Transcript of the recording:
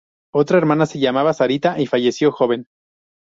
Otra hermana se llamaba Sarita, y falleció joven.